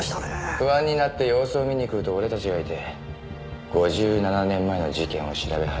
不安になって様子を見に来ると俺たちがいて５７年前の事件を調べ始めた。